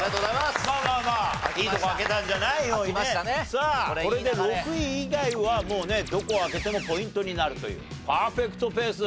さあこれで６位以外はもうねどこを開けてもポイントになるというパーフェクトペース。